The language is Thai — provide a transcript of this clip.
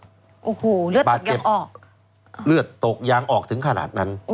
โอ้โหเลือดตกยางออกบาดเจ็บเลือดตกยางออกถึงขนาดนั้น